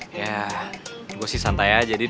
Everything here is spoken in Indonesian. ya gue sih santai aja